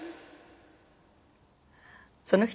その人